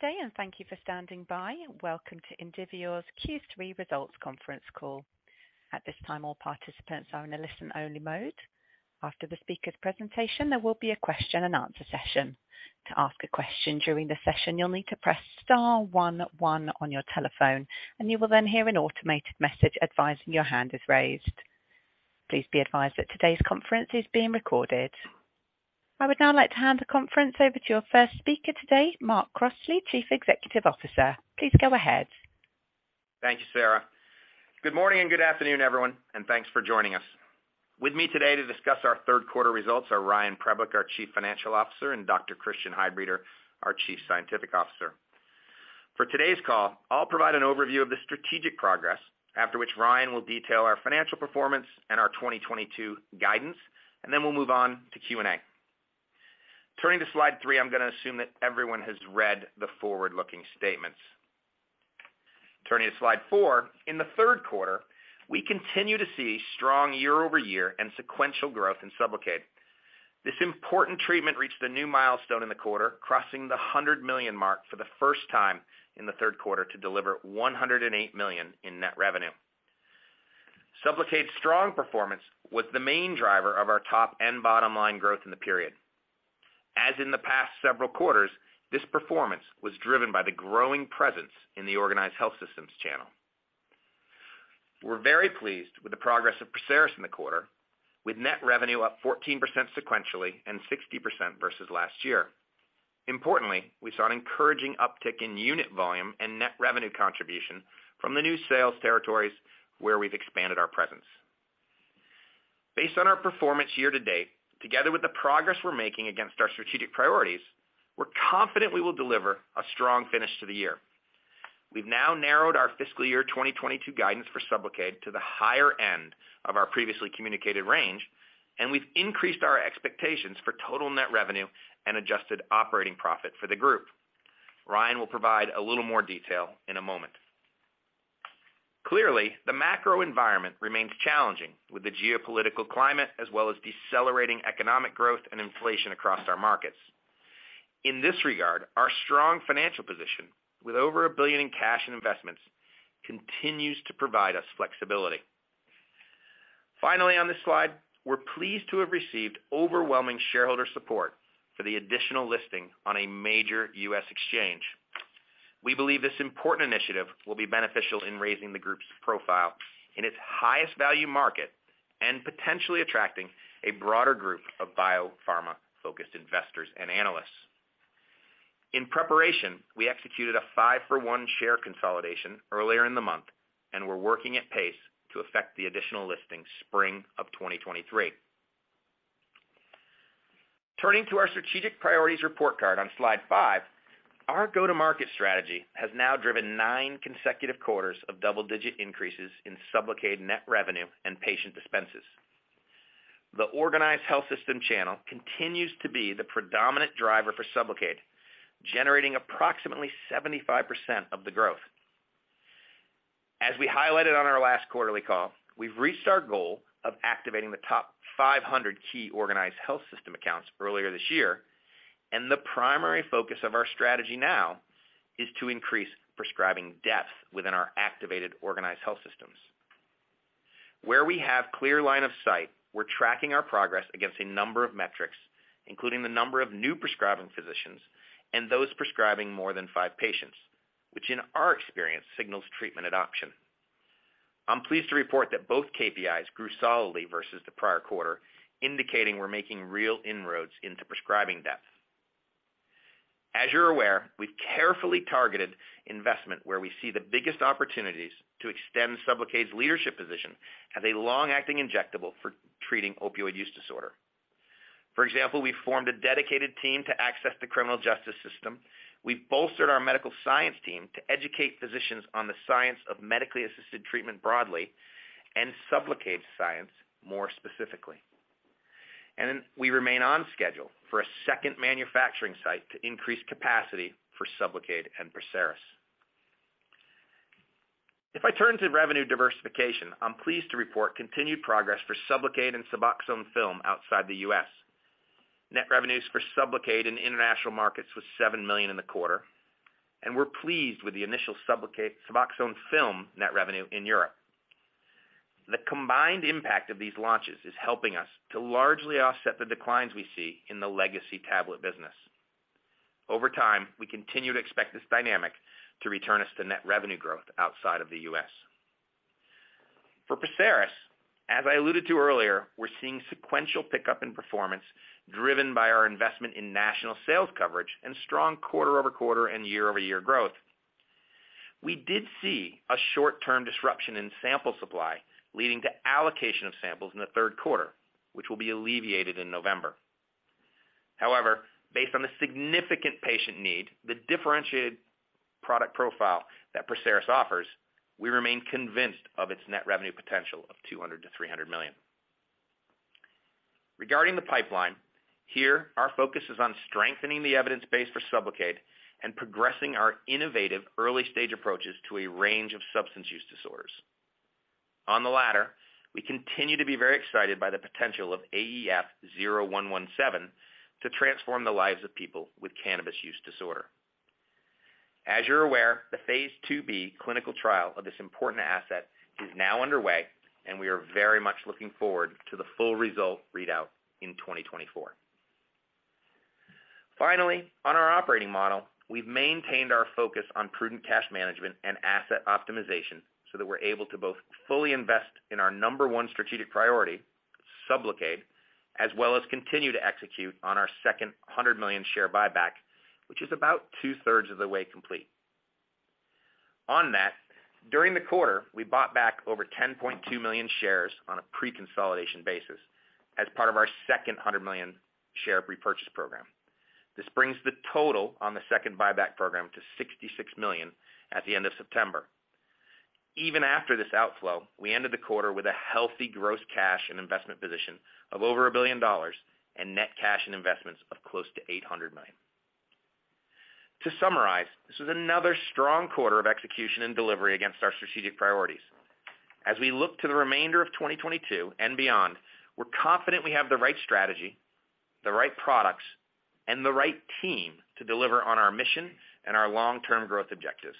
Good day, and thank you for standing by. Welcome to Indivior's Q3 Results Conference Call. At this time, all participants are in a listen-only mode. After the speaker's presentation, there will be a question-and-answer session. To ask a question during the session, you'll need to press star one one on your telephone, and you will then hear an automated message advising your hand is raised. Please be advised that today's conference is being recorded. I would now like to hand the conference over to your first speaker today, Mark Crossley, Chief Executive Officer. Please go ahead. Thank you, Sarah. Good morning and good afternoon, everyone, and thanks for joining us. With me today to discuss our Q3 results are Ryan Preblick, our Chief Financial Officer, and Dr. Christian Heidbreder, our Chief Scientific Officer. For today's call, I'll provide an overview of the strategic progress after which Ryan will detail our financial performance and our 2022 guidance, and then we'll move on to Q&A. Turning to slide three, I'm gonna assume that everyone has read the forward-looking statements. Turning to slide four, in the Q3, we continue to see strong year-over-year and sequential growth in SUBLOCADE. This important treatment reached a new milestone in the quarter, crossing the $100 million mark for the first time in the Q3 to deliver $108 million in net revenue. SUBLOCADE's strong performance was the main driver of our top and bottom line growth in the period. As in the past several quarters, this performance was driven by the growing presence in the organized health systems channel. We're very pleased with the progress of PERSERIS in the quarter, with net revenue up 14% sequentially and 60% versus last year. Importantly, we saw an encouraging uptick in unit volume and net revenue contribution from the new sales territories where we've expanded our presence. Based on our performance year-to-date, together with the progress we're making against our strategic priorities, we're confident we will deliver a strong finish to the year. We've now narrowed our fiscal year 2022 guidance for SUBLOCADE to the higher end of our previously communicated range, and we've increased our expectations for total net revenue and adjusted operating profit for the group. Ryan will provide a little more detail in a moment. Clearly, the macro environment remains challenging with the geopolitical climate as well as decelerating economic growth and inflation across our markets. In this regard, our strong financial position, with over $1 billion in cash and investments, continues to provide us flexibility. Finally, on this slide, we're pleased to have received overwhelming shareholder support for the additional listing on a major U.S. exchange. We believe this important initiative will be beneficial in raising the group's profile in its highest value market and potentially attracting a broader group of biopharma-focused investors and analysts. In preparation, we executed a five-for-one share consolidation earlier in the month, and we're working at pace to effect the additional listing spring of 2023. Turning to our strategic priorities report card on slide five, our go-to-market strategy has now driven nine consecutive quarters of double-digit increases in SUBLOCADE net revenue and patient dispenses. The organized health system channel continues to be the predominant driver for SUBLOCADE, generating approximately 75% of the growth. As we highlighted on our last quarterly call, we've reached our goal of activating the top 500 key organized health system accounts earlier this year, and the primary focus of our strategy now is to increase prescribing depth within our activated organized health systems. Where we have clear line of sight, we're tracking our progress against a number of metrics, including the number of new prescribing physicians and those prescribing more than five patients, which in our experience signals treatment adoption. I'm pleased to report that both KPIs grew solidly versus the prior quarter, indicating we're making real inroads into prescribing depth. As you're aware, we've carefully targeted investment where we see the biggest opportunities to extend SUBLOCADE's leadership position as a long-acting injectable for treating opioid use disorder. For example, we formed a dedicated team to access the criminal justice system. We've bolstered our medical science team to educate physicians on the science of medically assisted treatment broadly and SUBLOCADE science more specifically. We remain on schedule for a second manufacturing site to increase capacity for SUBLOCADE and PERSERIS. If I turn to revenue diversification, I'm pleased to report continued progress for SUBLOCADE and SUBOXONE film outside the U.S. Net revenues for SUBLOCADE in international markets was $7 million in the quarter, and we're pleased with the initial SUBOXONE film net revenue in Europe. The combined impact of these launches is helping us to largely offset the declines we see in the legacy tablet business. Over time, we continue to expect this dynamic to return us to net revenue growth outside of the U.S. For PERSERIS, as I alluded to earlier, we're seeing sequential pickup in performance driven by our investment in national sales coverage and strong quarter-over-quarter and year-over-year growth. We did see a short-term disruption in sample supply leading to allocation of samples in the Q3, which will be alleviated in November. However, based on the significant patient need, the differentiated product profile that PERSERIS offers, we remain convinced of its net revenue potential of $200 million-$300 million. Regarding the pipeline, here our focus is on strengthening the evidence base for SUBLOCADE and progressing our innovative early stage approaches to a range of substance use disorders. On the latter, we continue to be very excited by the potential of AEF0117 to transform the lives of people with cannabis use disorder. As you're aware, the phase IIb clinical trial of this important asset is now underway, and we are very much looking forward to the full result readout in 2024. Finally, on our operating model, we've maintained our focus on prudent cash management and asset optimization so that we're able to both fully invest in our number one strategic priority, SUBLOCADE, as well as continue to execute on our second $100 million share buyback, which is about 2/3 of the way complete. On that, during the quarter, we bought back over 10,200,000 shares on a pre-consolidation basis as part of our second hundred million share repurchase program. This brings the total on the second buyback program to 66,000,000 at the end of September. Even after this outflow, we ended the quarter with a healthy gross cash and investment position of over $1 billion and net cash and investments of close to $800 million. To summarize, this was another strong quarter of execution and delivery against our strategic priorities. As we look to the remainder of 2022 and beyond, we're confident we have the right strategy, the right products, and the right team to deliver on our mission and our long-term growth objectives.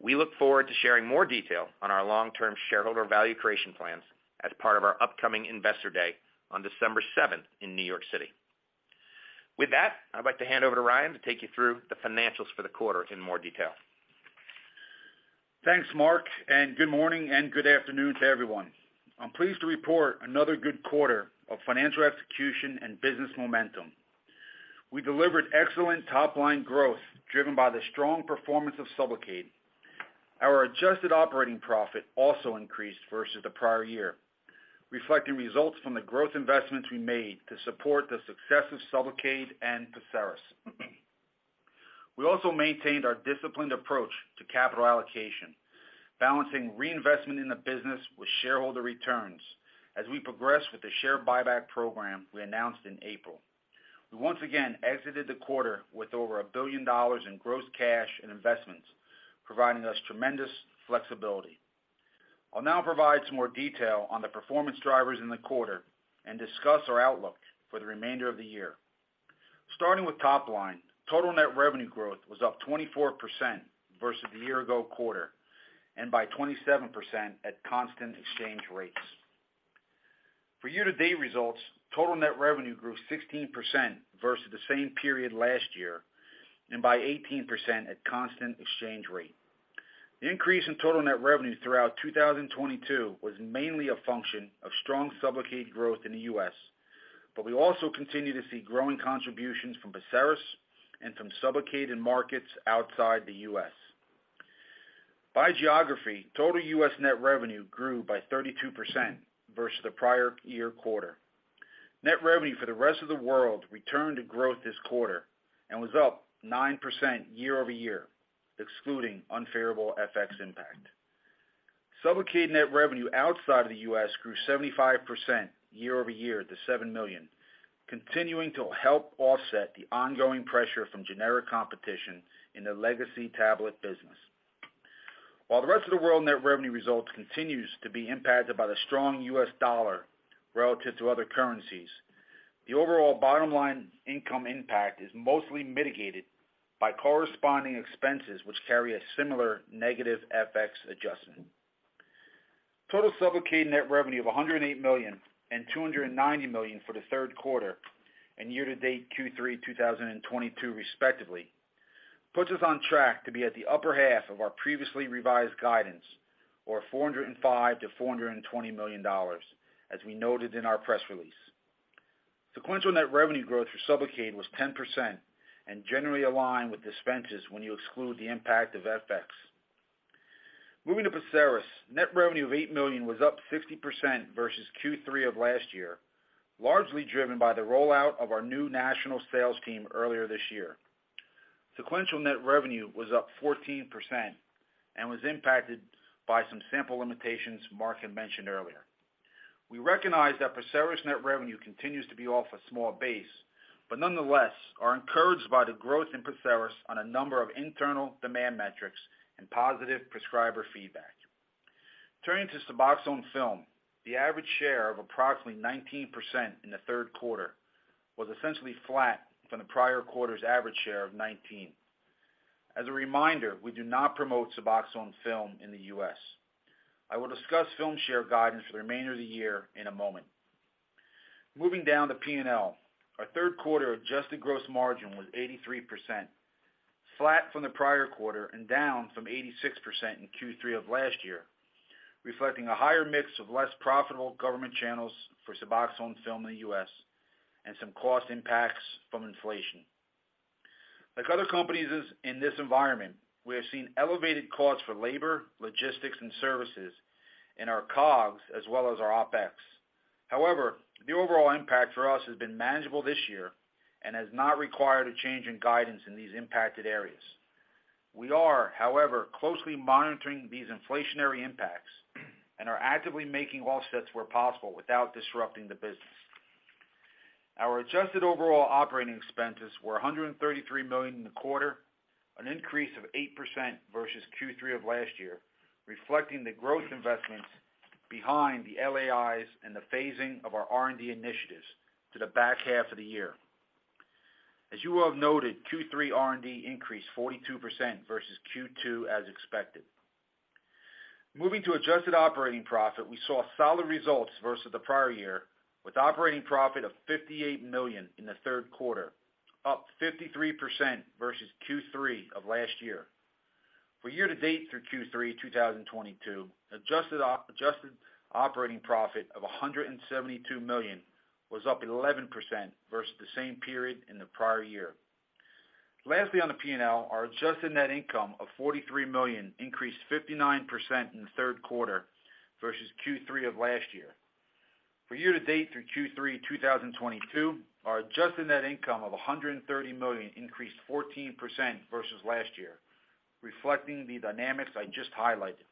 We look forward to sharing more detail on our long-term shareholder value creation plans as part of our upcoming Investor Day on December 7th in New York City. With that, I'd like to hand over to Ryan to take you through the financials for the quarter in more detail. Thanks, Mark, and good morning and good afternoon to everyone. I'm pleased to report another good quarter of financial execution and business momentum. We delivered excellent top-line growth driven by the strong performance of SUBLOCADE. Our adjusted operating profit also increased versus the prior year, reflecting results from the growth investments we made to support the success of SUBLOCADE and PERSERIS. We also maintained our disciplined approach to capital allocation, balancing reinvestment in the business with shareholder returns as we progress with the share buyback program we announced in April. We once again exited the quarter with over $1 billion in gross cash and investments, providing us tremendous flexibility. I'll now provide some more detail on the performance drivers in the quarter and discuss our outlook for the remainder of the year. Starting with top line, total net revenue growth was up 24% versus the year ago quarter, and by 27% at constant exchange rates. For year-to-date results, total net revenue grew 16% versus the same period last year, and by 18% at constant exchange rate. The increase in total net revenue throughout 2022 was mainly a function of strong SUBLOCADE growth in the U.S., but we also continue to see growing contributions from PERSERIS and from SUBLOCADE in markets outside the U.S. By geography, total U.S. net revenue grew by 32% versus the prior year quarter. Net revenue for the rest of the world returned to growth this quarter and was up 9% year-over-year, excluding unfavorable FX impact. SUBLOCADE net revenue outside of the U.S. grew 75% year-over-year to $7 million, continuing to help offset the ongoing pressure from generic competition in the legacy tablet business. While the rest of the world net revenue results continues to be impacted by the strong U.S. dollar relative to other currencies, the overall bottom line income impact is mostly mitigated by corresponding expenses which carry a similar negative FX adjustment. Total SUBLOCADE net revenue of $108 million and $290 million for the Q3 and year-to-date Q3 2022 respectively, puts us on track to be at the upper half of our previously revised guidance, or $405 million-$420 million, as we noted in our press release. Sequential net revenue growth for SUBLOCADE was 10% and generally aligned with dispenses when you exclude the impact of FX. Moving to PERSERIS, net revenue of $8 million was up 50% versus Q3 of last year, largely driven by the rollout of our new national sales team earlier this year. Sequential net revenue was up 14% and was impacted by some sample limitations Mark had mentioned earlier. We recognize that PERSERIS net revenue continues to be off a small base, but nonetheless, are encouraged by the growth in PERSERIS on a number of internal demand metrics and positive prescriber feedback. Turning to SUBOXONE Film, the average share of approximately 19% in the Q3 was essentially flat from the prior quarter's average share of 19. As a reminder, we do not promote SUBOXONE Film in the U.S. I will discuss Film share guidance for the remainder of the year in a moment. Moving down to P&L. Our Q3 adjusted gross margin was 83%, flat from the prior quarter and down from 86% in Q3 of last year, reflecting a higher mix of less profitable government channels for SUBOXONE Film in the U.S. and some cost impacts from inflation. Like other companies in this environment, we have seen elevated costs for labor, logistics, and services in our COGS as well as our OpEx. However, the overall impact for us has been manageable this year and has not required a change in guidance in these impacted areas. We are, however, closely monitoring these inflationary impacts and are actively making offsets where possible without disrupting the business. Our adjusted overall operating expenses were $133 million in the quarter, an increase of 8% versus Q3 of last year, reflecting the growth investments behind the LAIs and the phasing of our R&D initiatives to the back half of the year. As you will have noted, Q3 R&D increased 42% versus Q2 as expected. Moving to adjusted operating profit, we saw solid results versus the prior year, with operating profit of $58 million in the Q3, up 53% versus Q3 of last year. For year to date through Q3 2022, adjusted operating profit of $172 million was up 11% versus the same period in the prior year. Lastly, on the P&L, our adjusted net income of $43 million increased 59% in the Q3 versus Q3 of last year. For year to date through Q3 2022, our adjusted net income of $130 million increased 14% versus last year, reflecting the dynamics I just highlighted.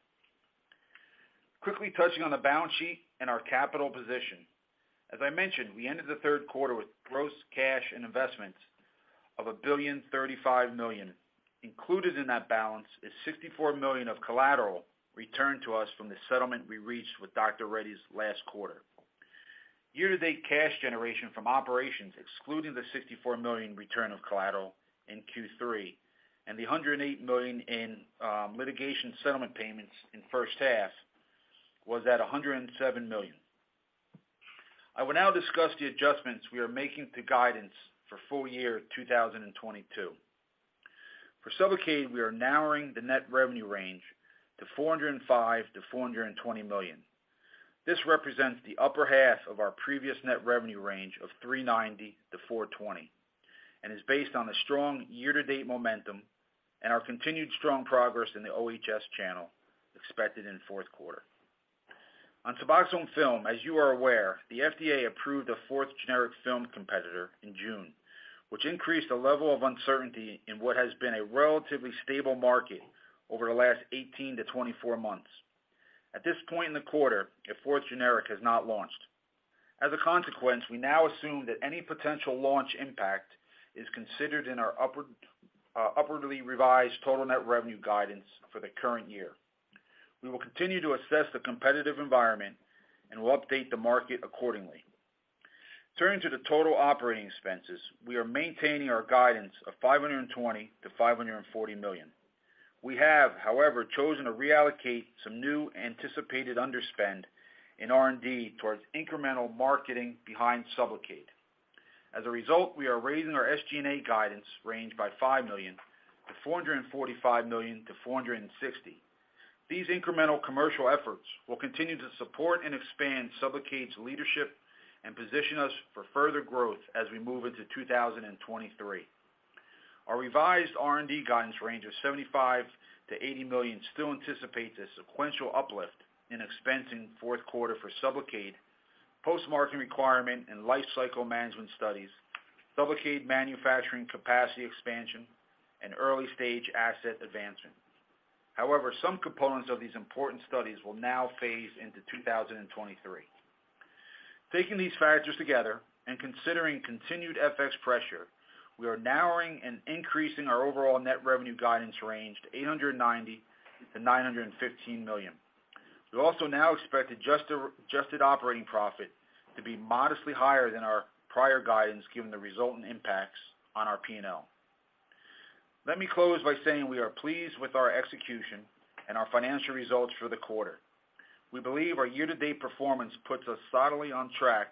Quickly touching on the balance sheet and our capital position. As I mentioned, we ended the Q3 with gross cash and investments of $1,035,000,000. Included in that balance is $64 million of collateral returned to us from the settlement we reached with Dr. Reddy's last quarter. Year to date cash generation from operations, excluding the $64 million return of collateral in Q3 and the $108 million in litigation settlement payments in first half was at $107 million. I will now discuss the adjustments we are making to guidance for full year 2022. For SUBLOCADE, we are narrowing the net revenue range to $405 million-$420 million. This represents the upper half of our previous net revenue range of $390 million-$420 million and is based on the strong year to date momentum and our continued strong progress in the OHS channel expected in Q4. On SUBOXONE Film, as you are aware, the FDA approved a fourth generic film competitor in June, which increased the level of uncertainty in what has been a relatively stable market over the last 18-24 months. At this point in the quarter, a fourth generic has not launched. As a consequence, we now assume that any potential launch impact is considered in our upwardly revised total net revenue guidance for the current year. We will continue to assess the competitive environment and will update the market accordingly. Turning to the total operating expenses, we are maintaining our guidance of $520 million-$540 million. We have, however, chosen to reallocate some new anticipated underspend in R&D towards incremental marketing behind SUBLOCADE. As a result, we are raising our SG&A guidance range by $5 million to $445 million-$460 million. These incremental commercial efforts will continue to support and expand SUBLOCADE's leadership and position us for further growth as we move into 2023. Our revised R&D guidance range of $75 million-$80 million still anticipates a sequential uplift in expense in Q4 for SUBLOCADE, post-marketing requirement and lifecycle management studies, SUBLOCADE manufacturing capacity expansion and early stage asset advancement. However, some components of these important studies will now phase into 2023. Taking these factors together and considering continued FX pressure, we are narrowing and increasing our overall net revenue guidance range to $890 million-$915 million. We also now expect adjusted operating profit to be modestly higher than our prior guidance, given the resultant impacts on our P&L. Let me close by saying we are pleased with our execution and our financial results for the quarter. We believe our year to date performance puts us solidly on track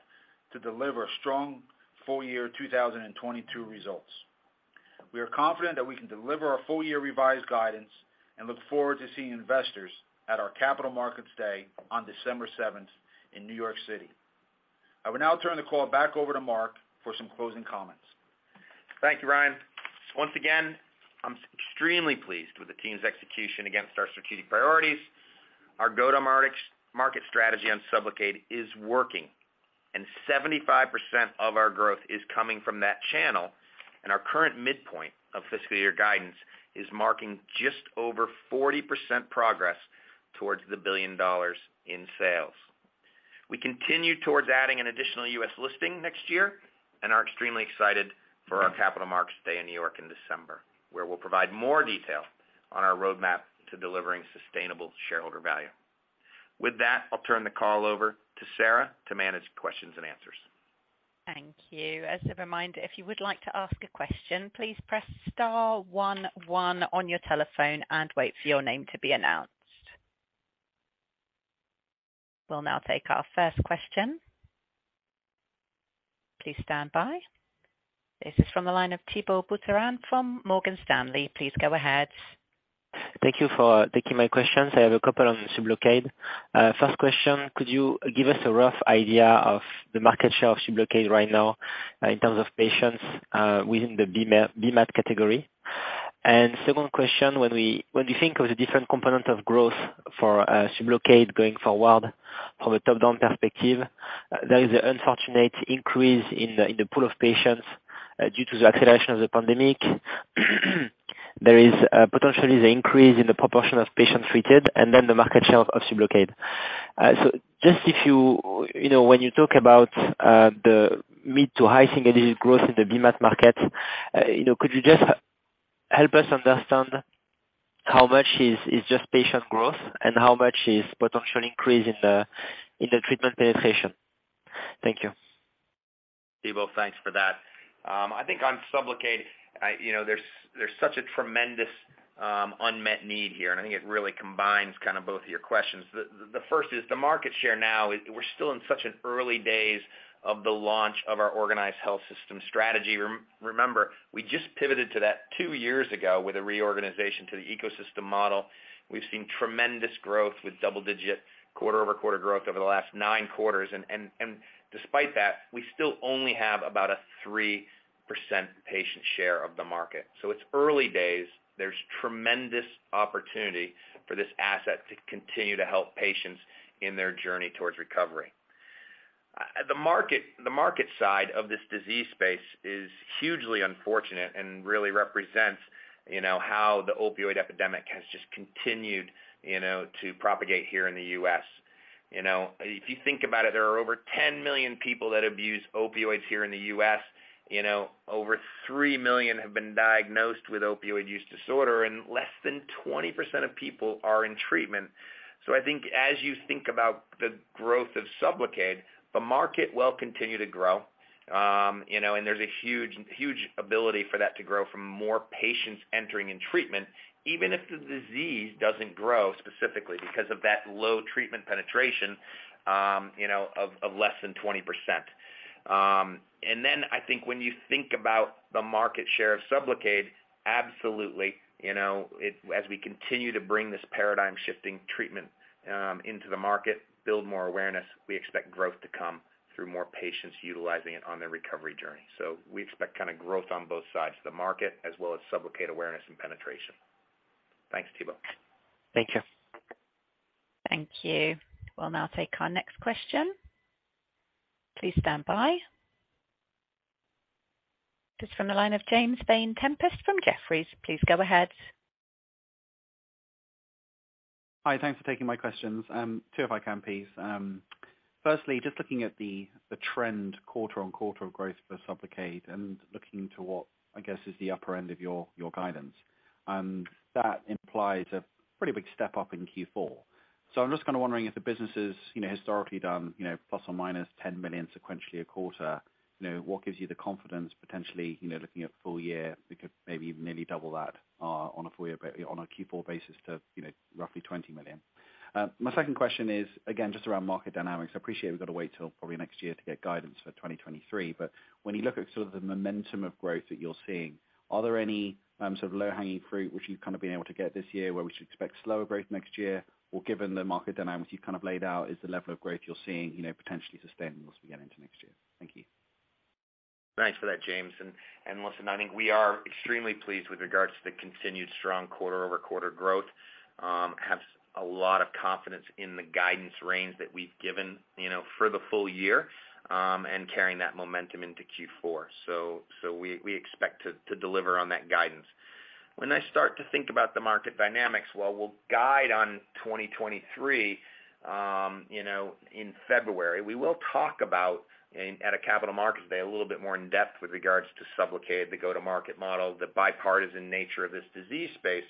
to deliver strong full year 2022 results. We are confident that we can deliver our full year revised guidance and look forward to seeing investors at our Capital Markets Day on December 7th in New York City. I will now turn the call back over to Mark for some closing comments. Thank you, Ryan. Once again, I'm extremely pleased with the team's execution against our strategic priorities. Our go-to-market strategy on SUBLOCADE is working, and 75% of our growth is coming from that channel. Our current midpoint of fiscal year guidance is making just over 40% progress towards the $1 billion in sales. We continue towards adding an additional U.S. listing next year and are extremely excited for our Capital Markets Day in New York in December, where we'll provide more detail on our roadmap to delivering sustainable shareholder value. With that, I'll turn the call over to Sarah to manage questions and answers. Thank you. As a reminder, if you would like to ask a question, please press star one one on your telephone and wait for your name to be announced. We'll now take our first question. Please stand by. This is from the line of Thibault Boutherin from Morgan Stanley. Please go ahead. Thank you for taking my questions. I have a couple on SUBLOCADE. First question, could you give us a rough idea of the market share of SUBLOCADE right now in terms of patients within the BMAT category? Second question, when we think of the different components of growth for SUBLOCADE going forward from a top down perspective, there is an unfortunate increase in the pool of patients due to the acceleration of the pandemic. There is potentially the increase in the proportion of patients treated and then the market share of SUBLOCADE. Just if you know, when you talk about the mid- to high single-digit growth in the BMAT market, you know, could you just help us understand how much is just patient growth and how much is potential increase in the treatment penetration? Thank you. Thibault, thanks for that. I think on SUBLOCADE, you know, there's such a tremendous unmet need here, and I think it really combines kind of both of your questions. The first is the market share now, is we're still in such an early days of the launch of our organized health system strategy. Remember, we just pivoted to that two years ago with a reorganization to the ecosystem model. We've seen tremendous growth with double-digit quarter-over-quarter growth over the last nine quarters. Despite that, we still only have about a 3% patient share of the market. It's early days, there's tremendous opportunity for this asset to continue to help patients in their journey towards recovery. The market side of this disease space is hugely unfortunate and really represents, you know, how the opioid epidemic has just continued, you know, to propagate here in the U.S. You know, if you think about it, there are over 10,000,000 people that abuse opioids here in the U.S. You know, over 3,000,000 have been diagnosed with opioid use disorder, and less than 20% of people are in treatment. I think as you think about the growth of SUBCLOCADE, the market will continue to grow. You know, and there's a huge ability for that to grow from more patients entering in treatment. Even if the disease doesn't grow specifically because of that low treatment penetration, you know, of less than 20%. I think when you think about the market share of SUBLOCADE, absolutely, you know, it as we continue to bring this paradigm shifting treatment into the market, build more awareness, we expect growth to come through more patients utilizing it on their recovery journey. We expect kinda growth on both sides of the market as well as SUBLOCADE awareness and penetration. Thanks, Thibault. Thank you. Thank you. We'll now take our next question. Please stand by. This is from the line of James Vane-Tempest from Jefferies. Please go ahead. Hi. Thanks for taking my questions. Two if I can please. Firstly, just looking at the trend quarter-on-quarter of growth for SUBLOCADE and looking to what I guess is the upper end of your guidance, that implies a pretty big step up in Q4. I'm just kinda wondering if the business has, you know, historically done, you know, +- $10 million sequentially a quarter, you know, what gives you the confidence potentially, you know, looking at full year, we could maybe nearly double that, on a Q4 basis to, you know, roughly $20 million. My second question is, again, just around market dynamics. I appreciate we've got to wait till probably next year to get guidance for 2023, but when you look at sort of the momentum of growth that you're seeing, are there any sort of low hanging fruit which you've kind of been able to get this year where we should expect slower growth next year? Or given the market dynamics you've kind of laid out is the level of growth you're seeing, you know, potentially sustainable as we get into next year? Thank you. Thanks for that, James. Listen, I think we are extremely pleased with regards to the continued strong quarter-over-quarter growth. Have a lot of confidence in the guidance range that we've given, you know, for the full year, and carrying that momentum into Q4. We expect to deliver on that guidance. When I start to think about the market dynamics, we'll guide on 2023, you know, in February, we will talk about at a Capital Markets Day a little bit more in-depth with regards to SUBLOCADE, the go-to-market model, the bipartisan nature of this disease space,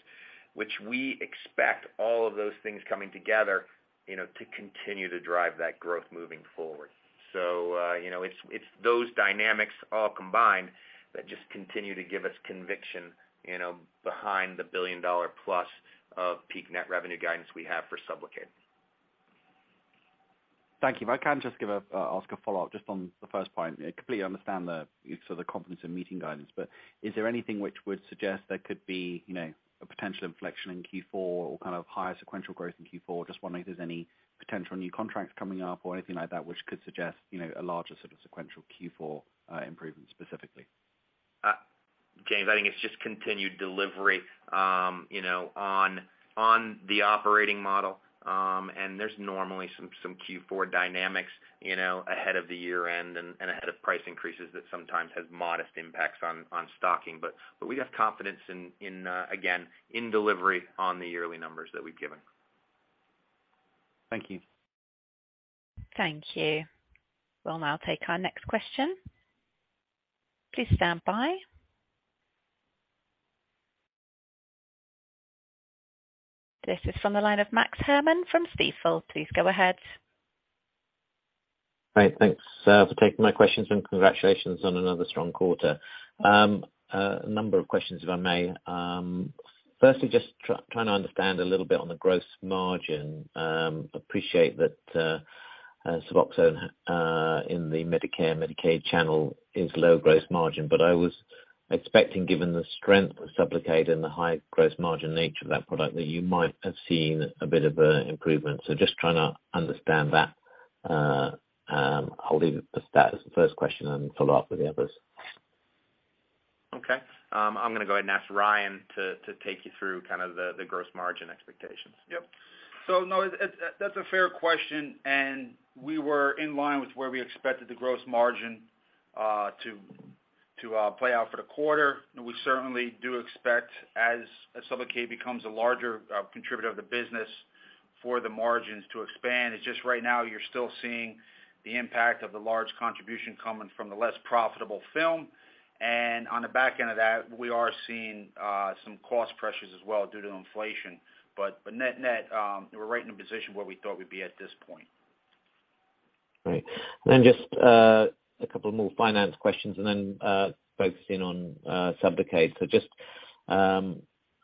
which we expect all of those things coming together, you know, to continue to drive that growth moving forward.you know, it's those dynamics all combined that just continue to give us conviction, you know, behind the billion-dollar plus of peak net revenue guidance we have for SUBLOCADE. Thank you. If I can just ask a follow-up just on the first point. Yeah, completely understand the sort of confidence in meeting guidance, but is there anything which would suggest there could be, you know, a potential inflection in Q4 or kind of higher sequential growth in Q4? Just wondering if there's any potential new contracts coming up or anything like that, which could suggest, you know, a larger sort of sequential Q4 improvement specifically. James, I think it's just continued delivery, you know, on the operating model. There's normally some Q4 dynamics, you know, ahead of the year-end and ahead of price increases that sometimes has modest impacts on stocking. We have confidence, again, in delivery on the yearly numbers that we've given. Thank you. Thank you. We'll now take our next question. Please stand by. This is from the line of Max Herrmann from Stifel. Please go ahead. Great. Thanks for taking my questions and congratulations on another strong quarter. A number of questions, if I may. Firstly, just trying to understand a little bit on the gross margin. Appreciate that SUBOXONE in the Medicare, Medicaid channel is low gross margin, but I was expecting, given the strength of SUBLOCADE and the high gross margin nature of that product, that you might have seen a bit of a improvement. Just trying to understand that, I'll leave that as the first question and follow up with the others. Okay. I'm gonna go ahead and ask Ryan to take you through kind of the gross margin expectations. Yep. No, that's a fair question, and we were in line with where we expected the gross margin to be. To play out for the quarter. We certainly do expect as SUBLOCADE becomes a larger contributor of the business for the margins to expand. It's just right now you're still seeing the impact of the large contribution coming from the less profitable film. On the back end of that, we are seeing some cost pressures as well due to inflation. net-net, we're right in a position where we thought we'd be at this point. Great. Just a couple more finance questions and then focusing on SUBLOCADE.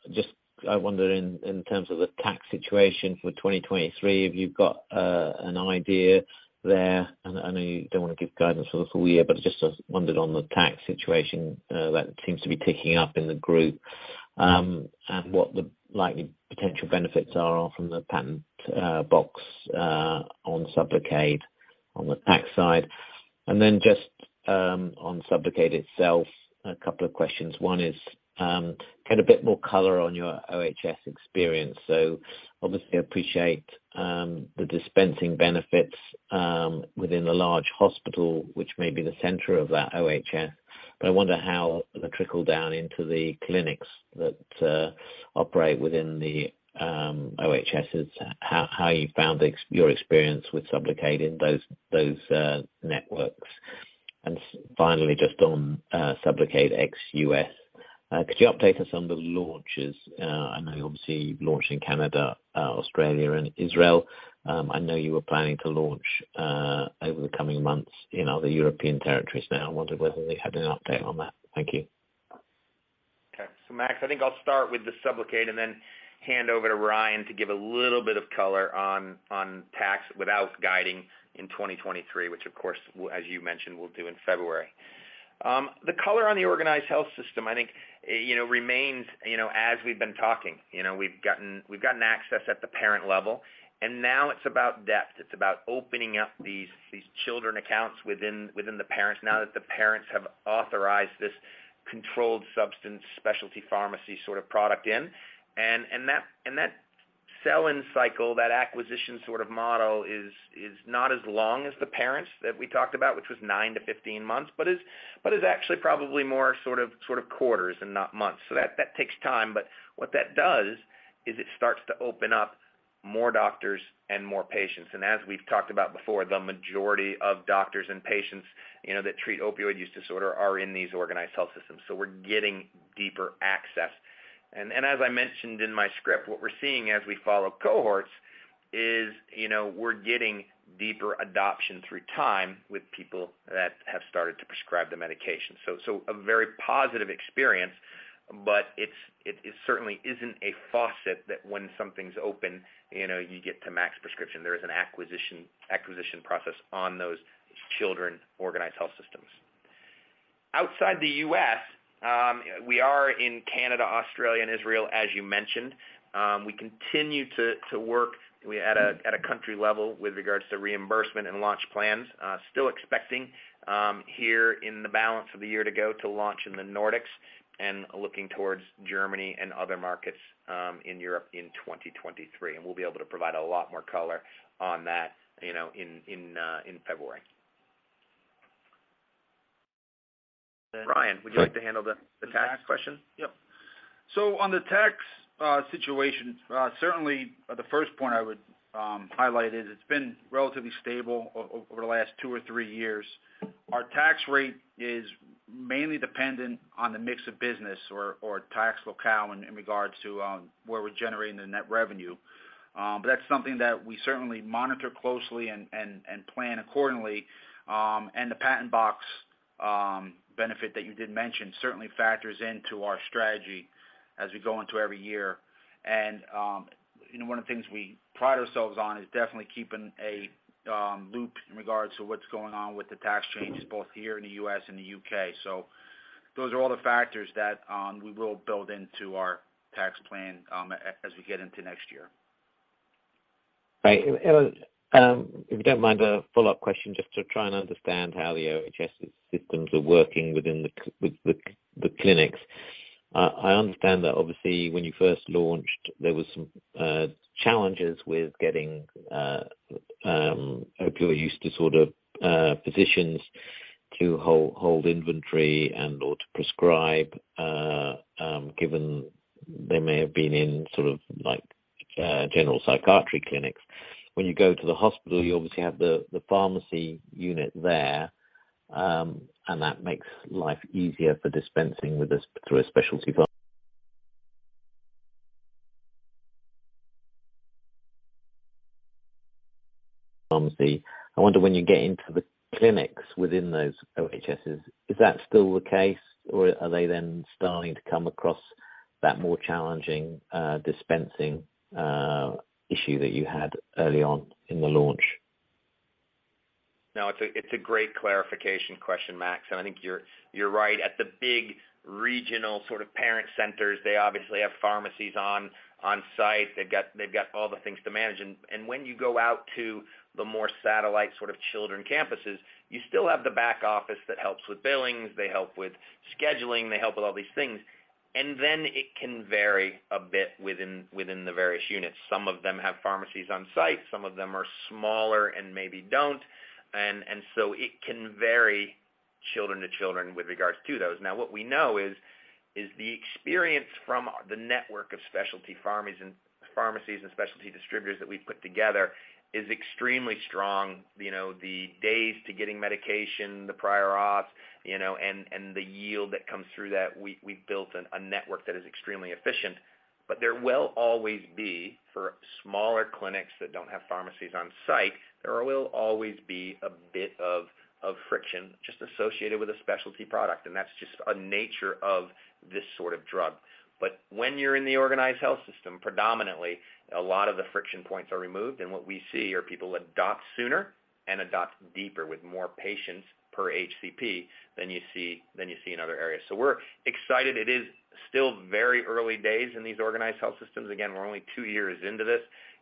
Just, I wonder in terms of the tax situation for 2023, have you got an idea there? I know you don't want to give guidance for the full year, but just wondered on the tax situation that seems to be ticking up in the group, and what the likely potential benefits are from the Patent Box on SUBLOCADE on the tax side. Then just on SUBLOCADE itself, a couple of questions. One is kind of bit more color on your OHS experience. Obviously appreciate the dispensing benefits within the large hospital, which may be the center of that OHS, but I wonder how the trickle down into the clinics that operate within the OHS is how you found your experience with SUBLOCADE in those networks. Finally, just on SUBLOCADE ex-US, could you update us on the launches? I know obviously you've launched in Canada, Australia and Israel. I know you were planning to launch over the coming months in other European territories. I wondered whether we had an update on that. Thank you. Okay. Max, I think I'll start with the SUBLOCADE and then hand over to Ryan to give a little bit of color on tax without guiding in 2023, which of course, as you mentioned, we'll do in February. The color on the organized health system, I think, you know, remains, you know, as we've been talking. You know, we've gotten access at the parent level, and now it's about depth. It's about opening up these children accounts within the parents now that the parents have authorized this controlled substance specialty pharmacy sort of product in. That sell-in cycle, that acquisition sort of model is not as long as the parents that we talked about, which was nine to 15 months, but is actually probably more sort of quarters and not months. That takes time. What that does is it starts to open up more doctors and more patients. As we've talked about before, the majority of doctors and patients, you know, that treat opioid use disorder are in these organized health systems. We're getting deeper access. As I mentioned in my script, what we're seeing as we follow cohorts is, you know, we're getting deeper adoption through time with people that have started to prescribe the medication. A very positive experience, but it certainly isn't a faucet that when something's open, you know, you get to max prescription. There is an acquisition process on those certain organized health systems. Outside the U.S., we are in Canada, Australia and Israel, as you mentioned. We continue to work at a country level with regards to reimbursement and launch plans. Still expecting here in the balance of the year to go to launch in the Nordics and looking towards Germany and other markets in Europe in 2023. We'll be able to provide a lot more color on that, you know, in February. Ryan, would you like to handle the tax question? Yep. On the tax situation, certainly the first point I would highlight is it's been relatively stable over the last two or three years. Our tax rate is mainly dependent on the mix of business or tax locale in regards to where we're generating the net revenue. That's something that we certainly monitor closely and plan accordingly. The Patent Box benefit that you did mention certainly factors into our strategy as we go into every year. You know, one of the things we pride ourselves on is definitely keeping a loop in regards to what's going on with the tax changes both here in the U.S. and the U.K. Those are all the factors that we will build into our tax plan as we get into next year. Right. If you don't mind, a follow-up question, just to try and understand how the OHS's systems are working within the clinics. I understand that obviously when you first launched, there was some challenges with getting opioid use disorder physicians to hold inventory and or to prescribe, given they may have been in sort of like general psychiatry clinics. When you go to the hospital, you obviously have the pharmacy unit there, and that makes life easier for dispensing with this through a specialty pharmacy. I wonder when you get into the clinics within those OHSs, is that still the case or are they then starting to come across that more challenging dispensing issue that you had early on in the launch? No, it's a great clarification question, Max, and I think you're right. At the big regional sort of parent centers, they obviously have pharmacies on site. They've got all the things to manage. When you go out to the more satellite sort of children campuses, you still have the back office that helps with billings, they help with scheduling, they help with all these things. Then it can vary a bit within the various units. Some of them have pharmacies on site, some of them are smaller and maybe don't. So it can vary center to center with regards to those. Now what we know is the experience from the network of specialty pharmacies and specialty distributors that we've put together is extremely strong. You know, the days to getting medication, the prior authorization, you know, and the yield that comes through that, we've built a network that is extremely efficient. There will always be, for smaller clinics that don't have pharmacies on site, there will always be a bit of friction just associated with a specialty product, and that's just the nature of this sort of drug. When you're in the organized health system, predominantly a lot of the friction points are removed. What we see are people adopt sooner and adopt deeper with more patients per HCP than you see in other areas. We're excited. It is still very early days in these organized health systems. Again, we're only two years into this,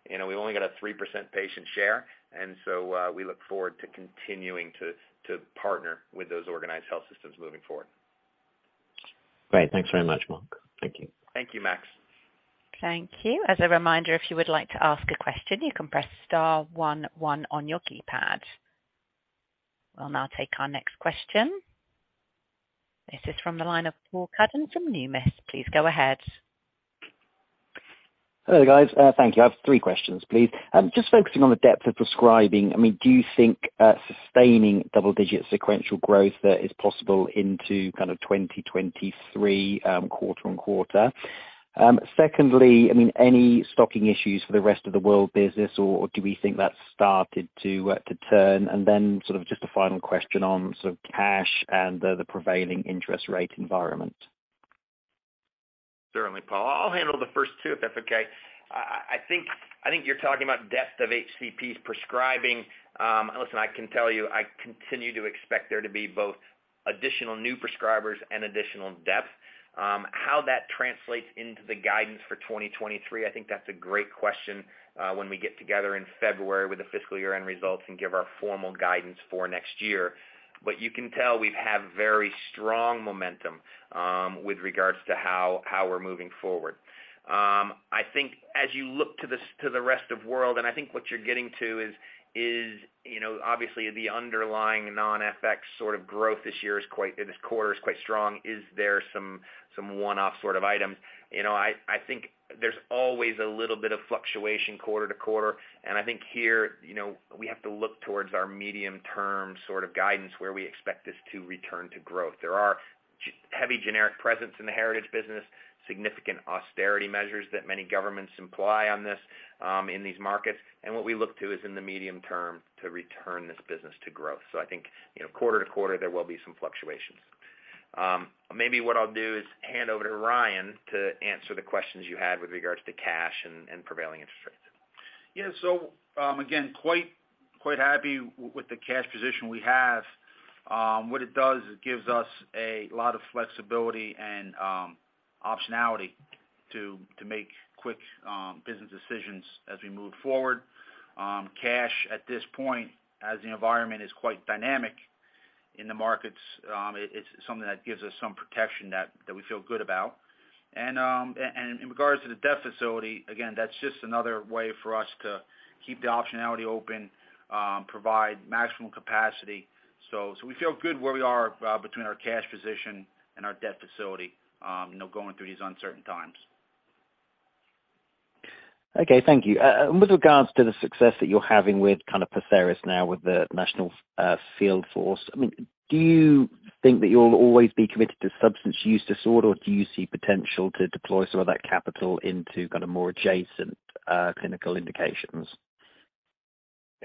you know, we've only got a 3% patient share, and so we look forward to continuing to partner with those organized health systems moving forward. Great. Thanks very much, Mark. Thank you. Thank you, Max. Thank you. As a reminder, if you would like to ask a question, you can press star one one on your keypad. We'll now take our next question. This is from the line of Paul Cuddon from Numis. Please go ahead. Hello, guys. Thank you. I have three questions, please. Just focusing on the depth of prescribing, I mean, do you think sustaining double-digit sequential growth there is possible into kind of 2023, quarter-on-quarter? Secondly, I mean, any stocking issues for the rest of the world business, or do we think that's started to turn? Then sort of just a final question on sort of cash and the prevailing interest rate environment. Certainly, Paul. I'll handle the first two, if that's okay. I think you're talking about depth of HCPs prescribing. Listen, I can tell you, I continue to expect there to be both additional new prescribers and additional depth. How that translates into the guidance for 2023, I think that's a great question, when we get together in February with the fiscal year-end results and give our formal guidance for next year. You can tell we have very strong momentum with regards to how we're moving forward. I think as you look to the rest of world, and I think what you're getting to is, you know, obviously the underlying non-FX sort of growth this year is quite strong in this quarter. Is there some one-off sort of items? You know, I think there's always a little bit of fluctuation quarter-to-quarter. I think here, you know, we have to look towards our medium-term sort of guidance where we expect this to return to growth. There are heavy generic presence in the heritage business, significant austerity measures that many governments impose on this, in these markets. What we look to is in the medium term to return this business to growth. I think, you know, quarter-to-quarter, there will be some fluctuations. Maybe what I'll do is hand over to Ryan to answer the questions you had with regards to cash and prevailing interest rates. Again, quite happy with the cash position we have. What it does, it gives us a lot of flexibility and optionality to make quick business decisions as we move forward. Cash at this point, as the environment is quite dynamic in the markets, it's something that gives us some protection that we feel good about. In regards to the debt facility, again, that's just another way for us to keep the optionality open, provide maximum capacity. We feel good where we are, you know, between our cash position and our debt facility, going through these uncertain times. Okay, thank you. With regards to the success that you're having with kind of PERSERIS now with the national field force, I mean, do you think that you'll always be committed to substance use disorder, or do you see potential to deploy some of that capital into kind of more adjacent clinical indications?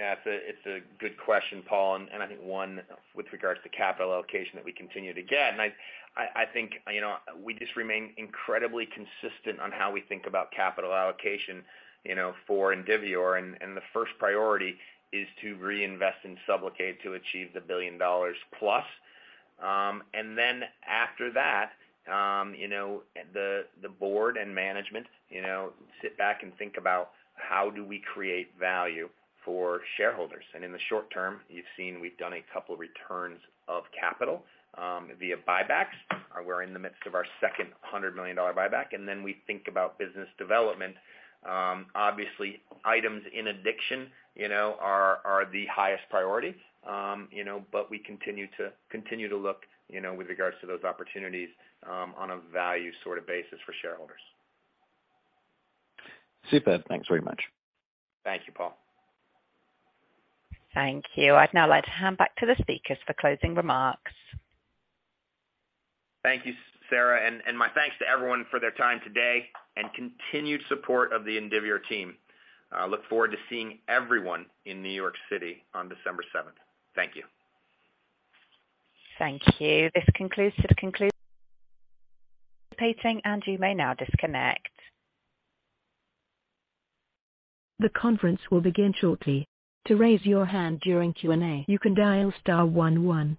Yeah, it's a good question, Paul, and I think one with regards to capital allocation that we continue to get. I think, you know, we just remain incredibly consistent on how we think about capital allocation, you know, for Indivior. The first priority is to reinvest in SUBCLOCADE to achieve $1 billion+. After that, you know, the board and management, you know, sit back and think about how do we create value for shareholders. In the short term, you've seen we've done a couple returns of capital via buybacks. We're in the midst of our second $100 million buyback, and then we think about business development. Obviously items in addiction, you know, are the highest priority. You know, we continue to look, you know, with regards to those opportunities, on a value sort of basis for shareholders. Super. Thanks very much. Thank you, Paul. Thank you. I'd now like to hand back to the speakers for closing remarks. Thank you, Sarah, and my thanks to everyone for their time today and continued support of the Indivior team. Look forward to seeing everyone in New York City on December 7th. Thank you. Thank you. This concludes today's conference. Thank you for participating, and you may now disconnect.